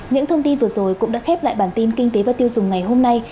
những thông tin vừa rồi cũng đã khép lại bản tin kinh tế và tiêu dùng ngày hôm nay